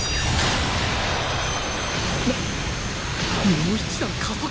もう一段加速！？